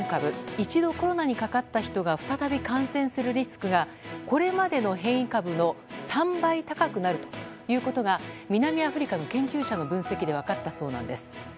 一度コロナにかかった人が再び感染するリスクがこれまでの変異株の３倍高くなるということが南アフリカの研究者の分析で分かったそうなんです。